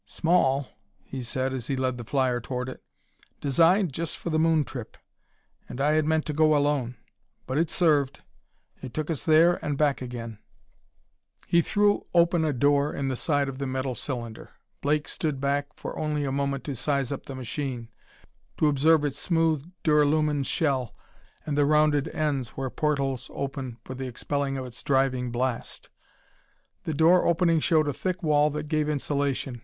"Small," he said as he led the flyer toward it. "Designed just for the moon trip, and I had meant to go alone. But it served; it took us there and back again." He threw open a door in the side of the metal cylinder. Blake stood back for only a moment to size up the machine, to observe its smooth duralumin shell and the rounded ends where portholes opened for the expelling of its driving blast. The door opening showed a thick wall that gave insulation.